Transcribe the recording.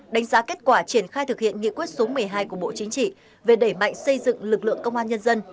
đánh giá kết quả triển khai thực hiện nghị quyết số một mươi hai của bộ chính trị về đẩy mạnh xây dựng lực lượng công an nhân dân